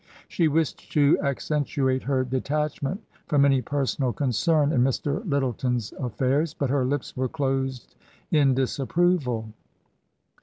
She wished to accentuate her detach ment from any personal concern in Mr. Lyttleton*s aflairs, but her lips were closed in disapproval.